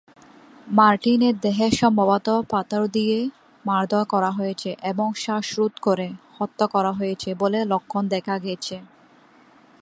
মার্টিনের দেহে সম্ভবত পাথর দিয়ে মারধর করা হয়েছে এবং শ্বাসরোধ করে হত্যা করা হয়েছে বলে লক্ষণ দেখা গেছে।